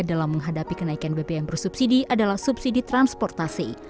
dalam menghadapi kenaikan bbm bersubsidi adalah subsidi transportasi